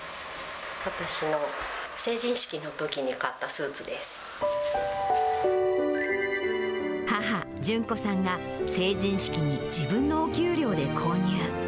私の成人式のと母、純子さんが、成人式に自分のお給料で購入。